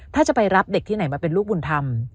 ถ้าจะไปรับเด็กที่ไหนมาเป็นลูกบุญธรรม